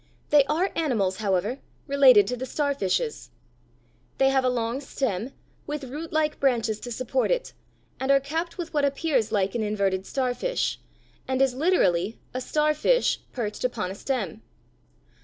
They are animals, however, related to the starfishes. They have a long stem, with rootlike branches to support it, and are capped with what appears like an inverted starfish, and is literally a starfish perched upon a stem.